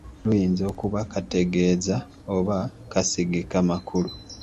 Luyinza okuba kategeeza oba kasagika makulu.